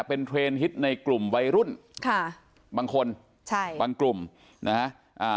เป็นเทรนด์ฮิตในกลุ่มวัยรุ่นค่ะบางคนใช่บางกลุ่มนะฮะอ่า